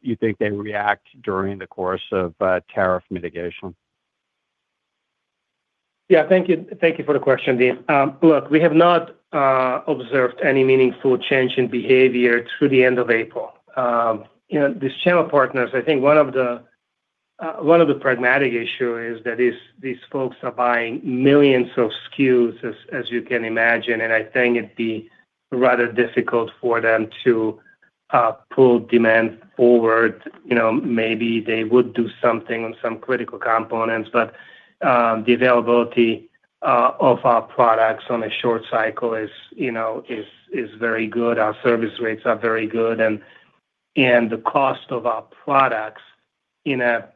you think they react during the course of tariff mitigation? Yeah. Thank you for the question, Deane. Look, we have not observed any meaningful change in behavior through the end of April. These channel partners, I think one of the pragmatic issues is that these folks are buying millions of SKUs, as you can imagine. I think it'd be rather difficult for them to pull demand forward. Maybe they would do something on some critical components. The availability of our products on a short cycle is very good. Our service rates are very good. The cost of our products in a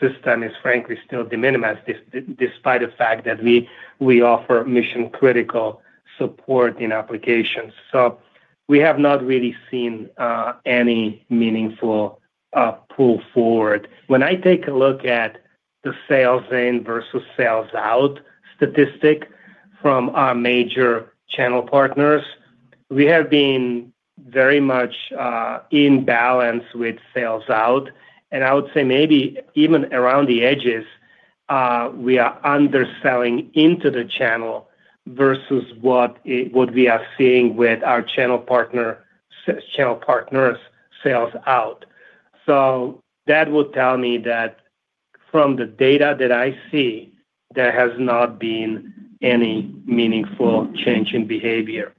system is, frankly, still de minimis despite the fact that we offer mission-critical support in applications. We have not really seen any meaningful pull forward. When I take a look at the sales-in versus sales-out statistic from our major channel partners, we have been very much in balance with sales-out. I would say maybe even around the edges, we are underselling into the channel versus what we are seeing with our channel partners' sales-out. That would tell me that from the data that I see, there has not been any meaningful change in behavior.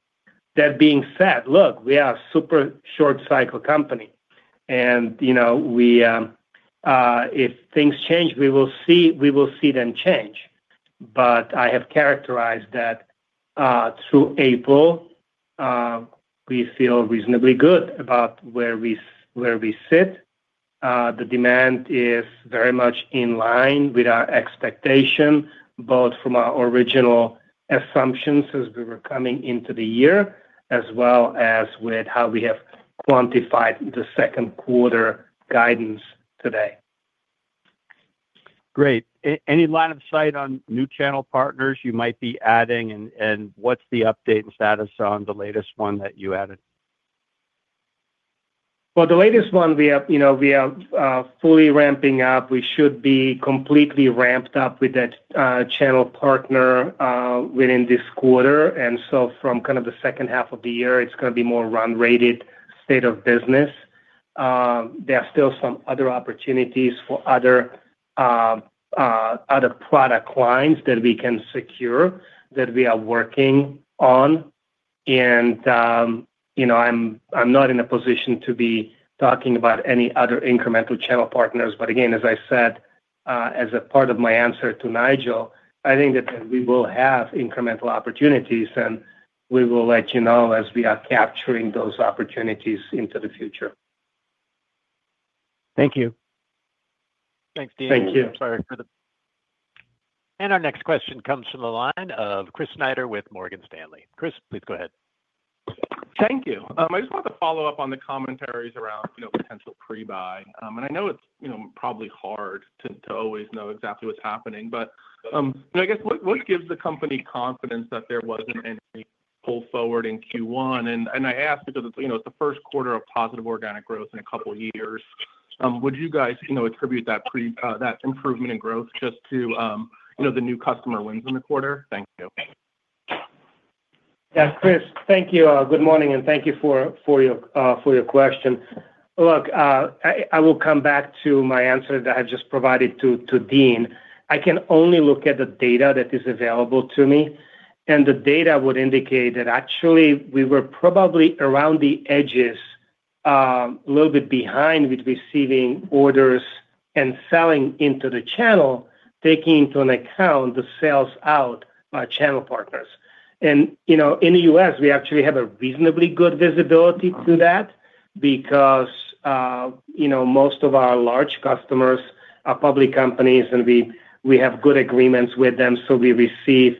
That being said, look, we are a super short-cycle company. If things change, we will see them change. I have characterized that through April, we feel reasonably good about where we sit. The demand is very much in line with our expectation, both from our original assumptions as we were coming into the year, as well as with how we have quantified the second quarter guidance today. Great. Any line of sight on new channel partners you might be adding? What is the update and status on the latest one that you added? The latest one we are fully ramping up. We should be completely ramped up with that channel partner within this quarter. From the second half of the year, it is going to be more run-rated state of business. There are still some other opportunities for other product lines that we can secure that we are working on. I am not in a position to be talking about any other incremental channel partners. As I said, as a part of my answer to Nigel, I think that we will have incremental opportunities. We will let you know as we are capturing those opportunities into the future. Thank you. Thanks, Dean. Thank you. Our next question comes from the line of Chris Snyder with Morgan Stanley. Chris, please go ahead. Thank you. I just wanted to follow up on the commentaries around potential pre-buy. I know it's probably hard to always know exactly what's happening. I guess what gives the company confidence that there wasn't any pull forward in Q1? I ask because it's the first quarter of positive organic growth in a couple of years. Would you guys attribute that improvement in growth just to the new customer wins in the quarter? Thank you. Yeah. Chris, thank you. Good morning. Thank you for your question. Look, I will come back to my answer that I just provided to Deane. I can only look at the data that is available to me. The data would indicate that actually we were probably around the edges, a little bit behind with receiving orders and selling into the channel, taking into account the sales-out by channel partners. In the U.S., we actually have a reasonably good visibility to that because most of our large customers are public companies, and we have good agreements with them. We receive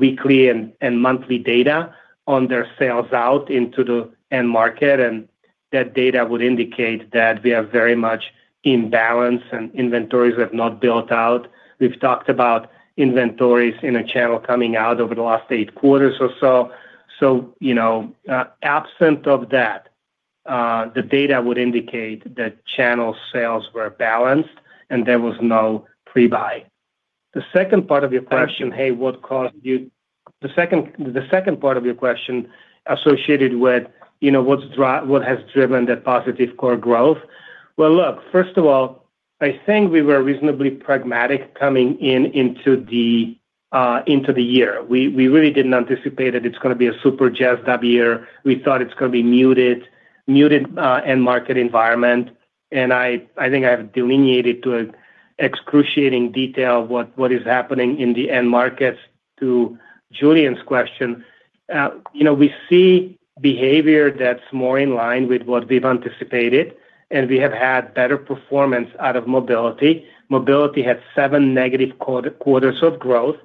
weekly and monthly data on their sales-out into the end market. That data would indicate that we are very much in balance, and inventories have not built out. We've talked about inventories in a channel coming out over the last eight quarters or so. Absent of that, the data would indicate that channel sales were balanced, and there was no pre-buy. The second part of your question, hey, what caused you? The second part of your question associated with what has driven the positive core growth? Look, first of all, I think we were reasonably pragmatic coming into the year. We really did not anticipate that it is going to be a super jazzed-up year. We thought it is going to be a muted end market environment. I think I have delineated to excruciating detail what is happening in the end markets to Julian's question. We see behavior that is more in line with what we have anticipated. We have had better performance out of Mobility. Mobility had seven negative quarters of growth.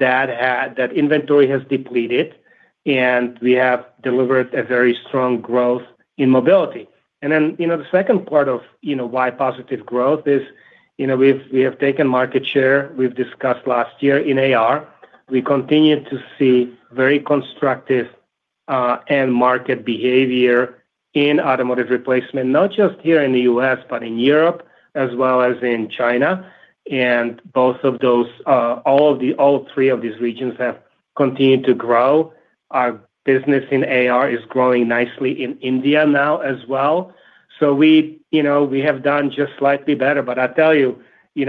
That inventory has depleted. We have delivered a very strong growth in Mobility. The second part of why positive growth is we have taken market share. We discussed last year in AR. We continue to see very constructive end market behavior in Automotive Replacement, not just here in the U.S., but in Europe, as well as in China. All three of these regions have continued to grow. Our business in AR is growing nicely in India now as well. We have done just slightly better. I tell you,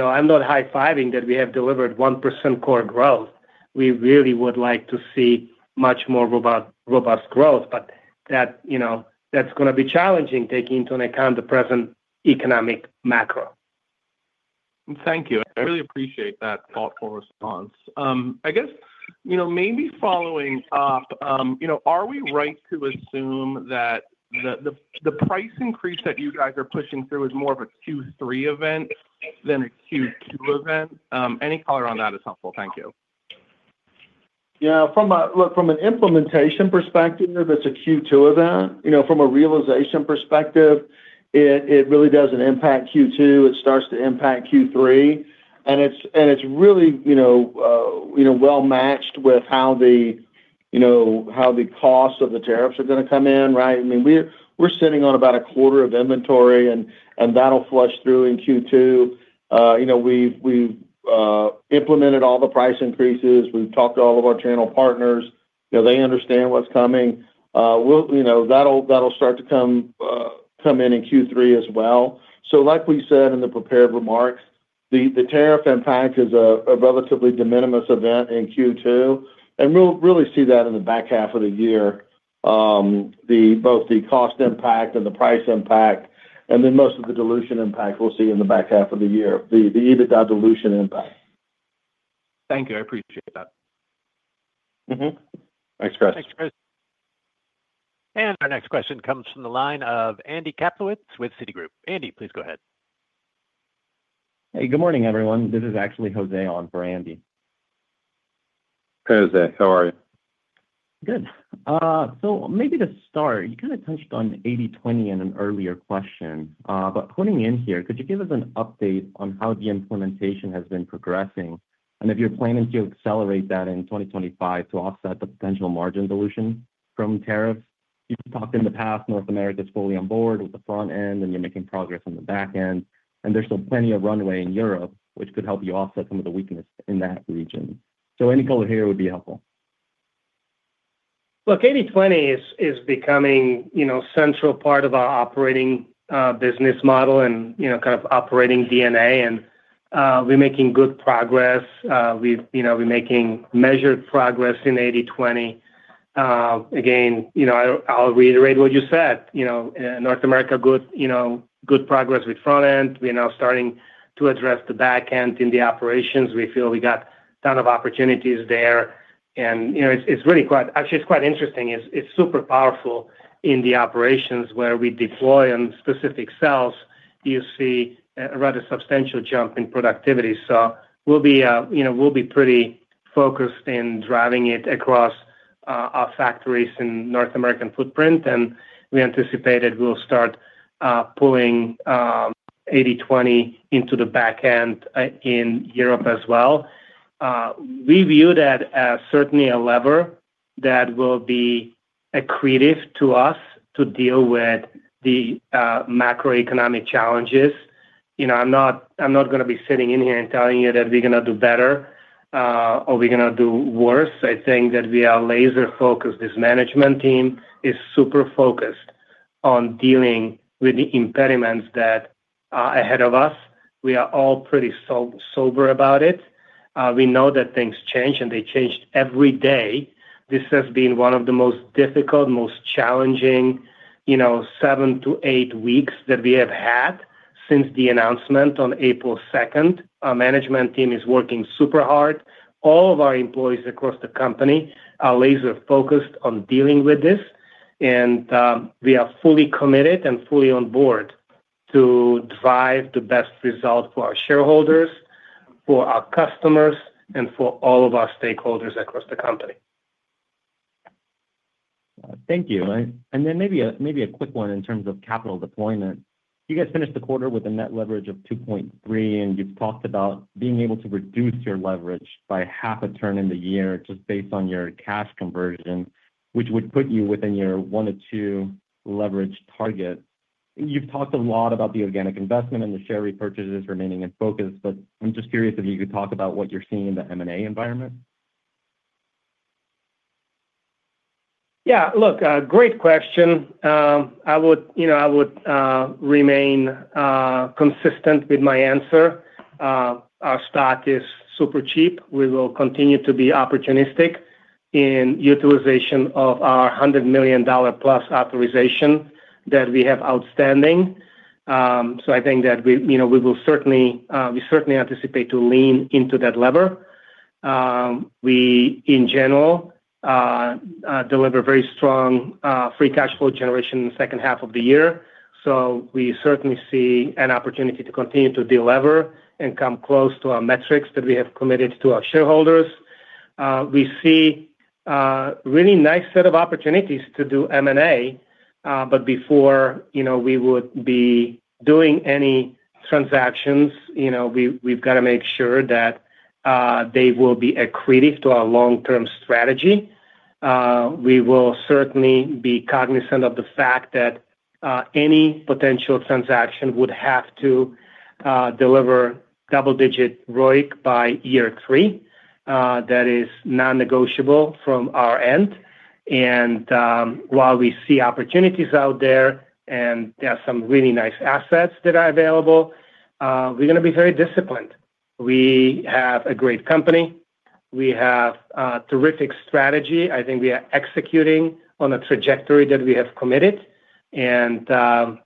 I'm not high-fiving that we have delivered 1% core growth. We really would like to see much more robust growth. That is going to be challenging taking into account the present economic macro. Thank you. I really appreciate that thoughtful response. I guess maybe following up, are we right to assume that the price increase that you guys are pushing through is more of a Q3 event than a Q2 event? Any color on that is helpful. Thank you. Yeah. Look, from an implementation perspective, it's a Q2 event. From a realization perspective, it really doesn't impact Q2. It starts to impact Q3. It's really well matched with how the costs of the tariffs are going to come in, right? I mean, we're sitting on about a quarter of inventory, and that'll flush through in Q2. We've implemented all the price increases. We've talked to all of our channel partners. They understand what's coming. That'll start to come in in Q3 as well. Like we said in the prepared remarks, the tariff impact is a relatively de minimis event in Q2. We'll really see that in the back half of the year, both the cost impact and the price impact, and then most of the dilution impact we'll see in the back half of the year, the EBITDA dilution impact. Thank you. I appreciate that. Thanks, Chris. Thanks, Chris. Our next question comes from the line of Andy Kaplowitz with Citigroup. Andy, please go ahead. Hey. Good morning, everyone. This is actually Jose on for Andy. Hey, Jose. How are you? Good. Maybe to start, you kind of touched on 80/20 in an earlier question. Putting it in here, could you give us an update on how the implementation has been progressing? If you're planning to accelerate that in 2025 to offset the potential margin dilution from tariffs, you've talked in the past, North America is fully on board with the front end, and you're making progress on the back end. There's still plenty of runway in Europe, which could help you offset some of the weakness in that region. Any color here would be helpful. Look, 80/20 is becoming a central part of our operating business model and kind of operating DNA. We're making good progress. We're making measured progress in 80/20. Again, I'll reiterate what you said. North America, good progress with front end. We're now starting to address the back end in the operations. We feel we got a ton of opportunities there. It's really quite actually, it's quite interesting. It's super powerful in the operations where we deploy on specific cells. You see a rather substantial jump in productivity. We'll be pretty focused in driving it across our factories in North American footprint. We anticipate that we'll start pulling 80/20 into the back end in Europe as well. We view that as certainly a lever that will be accretive to us to deal with the macroeconomic challenges. I'm not going to be sitting in here and telling you that we're going to do better or we're going to do worse. I think that we are laser-focused. This management team is super focused on dealing with the impediments that are ahead of us. We are all pretty sober about it. We know that things change, and they change every day. This has been one of the most difficult, most challenging seven to eight weeks that we have had since the announcement on April 2. Our management team is working super hard. All of our employees across the company are laser-focused on dealing with this. We are fully committed and fully on board to drive the best result for our shareholders, for our customers, and for all of our stakeholders across the company. Thank you. Maybe a quick one in terms of capital deployment. You guys finished the quarter with a net leverage of 2.3. You have talked about being able to reduce your leverage by half a turn in the year just based on your cash conversion, which would put you within your one to two leverage target. You have talked a lot about the organic investment and the share repurchases remaining in focus. I am just curious if you could talk about what you are seeing in the M&A environment. Yeah. Look, great question. I would remain consistent with my answer. Our stock is super cheap. We will continue to be opportunistic in utilization of our $100 million-plus authorization that we have outstanding. I think that we will certainly anticipate to lean into that lever. We, in general, deliver very strong free cash flow generation in the second half of the year. We certainly see an opportunity to continue to deliver and come close to our metrics that we have committed to our shareholders. We see a really nice set of opportunities to do M&A. Before we would be doing any transactions, we've got to make sure that they will be accretive to our long-term strategy. We will certainly be cognizant of the fact that any potential transaction would have to deliver double-digit ROIC by year three. That is non-negotiable from our end. While we see opportunities out there and there are some really nice assets that are available, we're going to be very disciplined. We have a great company. We have a terrific strategy. I think we are executing on a trajectory that we have committed. We're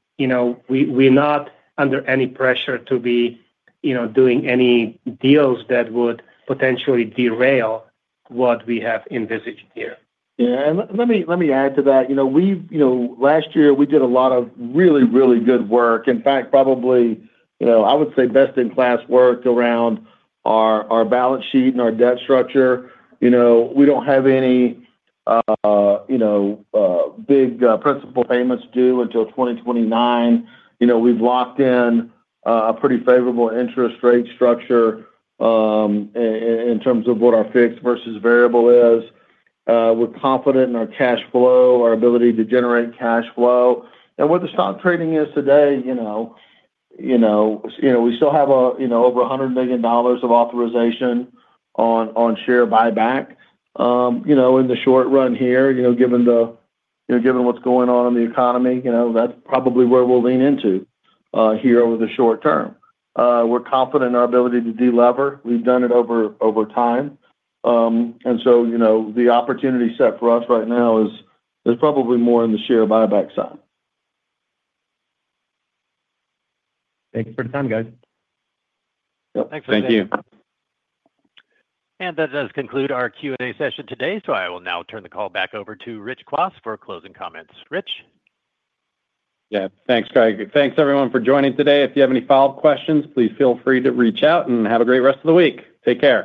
not under any pressure to be doing any deals that would potentially derail what we have envisaged here. Yeah. Let me add to that. Last year, we did a lot of really, really good work. In fact, probably, I would say best-in-class work around our balance sheet and our debt structure. We do not have any big principal payments due until 2029. We have locked in a pretty favorable interest rate structure in terms of what our fixed versus variable is. We are confident in our cash flow, our ability to generate cash flow. Where the stock trading is today, we still have over $100 million of authorization on share buyback. In the short run here, given what is going on in the economy, that is probably where we will lean into here over the short term. We are confident in our ability to deliver. We have done it over time. The opportunity set for us right now is probably more on the share buyback side. Thanks for the time, guys. Thanks for that. Thank you. That does conclude our Q&A session today. I will now turn the call back over to Rich Kwas for closing comments. Rich? Yeah. Thanks, Craig. Thanks, everyone, for joining today. If you have any follow-up questions, please feel free to reach out and have a great rest of the week. Take care.